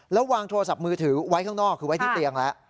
แล้ววางโทรศัพท์มือถือไว้ข้างนอกคือไว้ที่เตียงแล้ว